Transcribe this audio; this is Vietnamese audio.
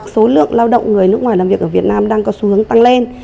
số lượng lao động người nước ngoài làm việc ở việt nam đang có xu hướng tăng lên